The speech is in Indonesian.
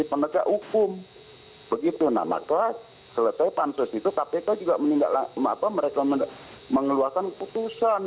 pertanyaan saya selanjutnya begini bang masinton